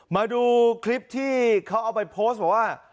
มาดูคลิปที่เขาเอาไปโพสต์บอกว่า